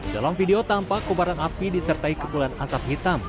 dalam video tampak kebaran api disertai kebulan asap hitam